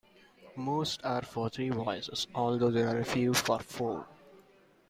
Most are for three voices, although there are a few for four.